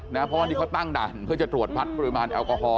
เพราะว่านี่เขาตั้งด่านเพื่อจะตรวจวัดปริมาณแอลกอฮอล